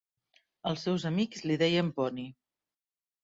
Els seus amics li deien "Pony".